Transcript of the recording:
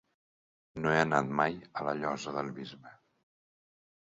No he anat mai a la Llosa del Bisbe.